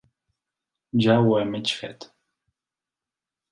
Ja ho he mig fet.